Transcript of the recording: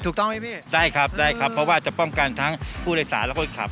ถูกต้องไหมพี่ได้ครับได้ครับเพราะว่าจะป้องกันทั้งผู้โดยสารและคนขับ